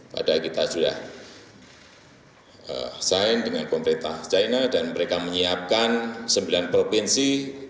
padahal kita sudah sign dengan pemerintah china dan mereka menyiapkan sembilan provinsi